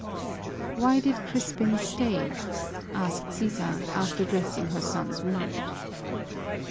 "Why did Crispin stay?" asked Sisa, after dressing her son's wound.